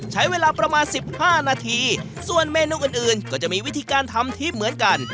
ใช้เวลาประมาณ๑๕นาทีส่วนเมนูอื่นก็จะมีวิธีการทำที่เหมือนกัน